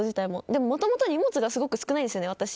でも、もともと荷物がすごく少ないんですね、私。